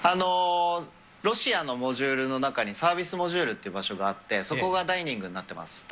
ロシアのモジュールの中に、サービスモジュールっていう場所があって、そこがダイニングになってます。